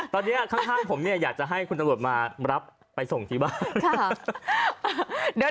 ตอนนี้ข้างผมเนี่ยอยากจะให้คุณตำรวจมารับไปส่งที่บ้าน